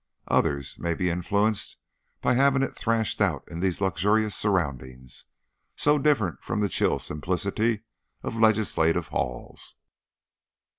Others may be influenced by having it thrashed out in these luxurious surroundings, so different from the chill simplicity of legislative halls.